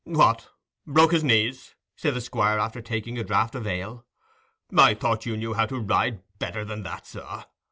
"What! broke his knees?" said the Squire, after taking a draught of ale. "I thought you knew how to ride better than that, sir.